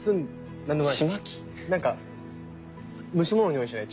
なんか蒸し物のにおいしない？